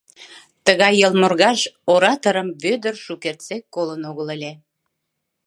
Тыгай йылморгаж ораторым Вӧдыр шукертсек колын огыл ыле.